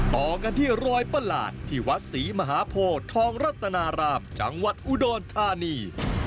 ต่อกันที่รอยประหลาดที่วัดศรีมหาโพทองรัตนารามจังหวัดอุดรธานี